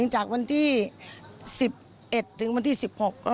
จากวันที่๑๑ถึงวันที่๑๖